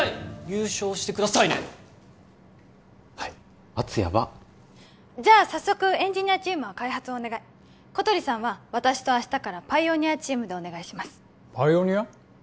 優勝してくださいねはい圧ヤバッじゃあ早速エンジニアチームは開発をお願い小鳥さんは私と明日からパイオニアチームでお願いしますパイオニア？